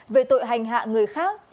về tội hành hạ người khác